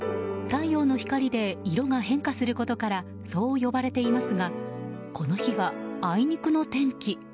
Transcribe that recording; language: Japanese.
太陽の光で色が変化することからそう呼ばれていますがこの日は、あいにくの天気。